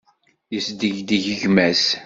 Yesdegdeg gma-s.